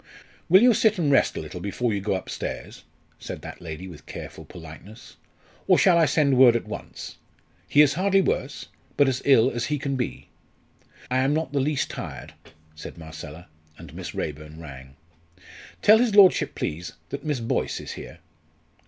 "Will you sit and rest a little before you go upstairs?" said that lady with careful politeness, "or shall I send word at once? He is hardly worse but as ill as he can be." "I am not the least tired," said Marcella, and Miss Raeburn rang. "Tell his lordship, please, that Miss Boyce is here."